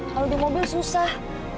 kalau di mobil susah